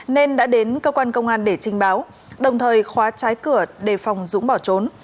nên đã đến cơ quan công an để trình báo đồng thời khóa trái cửa đề phòng dũng bỏ trốn